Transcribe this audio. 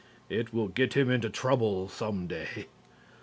It will get him into trouble some day.